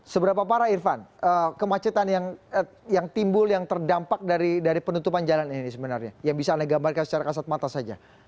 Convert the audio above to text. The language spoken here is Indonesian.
seberapa parah irfan kemacetan yang timbul yang terdampak dari penutupan jalan ini sebenarnya yang bisa anda gambarkan secara kasat mata saja